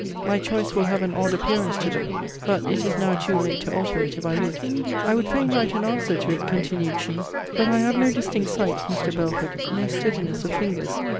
My choice will have an odd appearance to them: but it is now too late to alter it, if I would. I would fain write an answer to it, continued she: but I have no distinct sight, Mr. Belford, no steadiness of fingers.